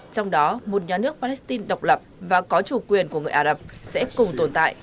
trong đó một nhà nước palestine độc lập và có chủ quyền của người ả rập sẽ cùng tồn tại